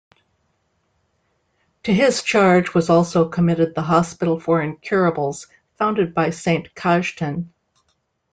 To his charge was also committed the hospital for incurables, founded by Saint Cajetan.